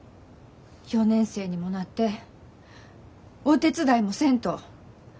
４年生にもなってお手伝いもせんと。